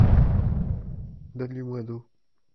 Donne-lui moins d’eau.